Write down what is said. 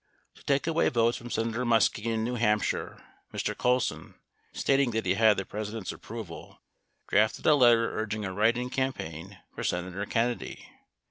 To take away votes from Senator Muskie in New Hampshire, Mr. Colson (stating that he had the President's approval) drafted a letter urging a write in campaign for Senator Kennedy.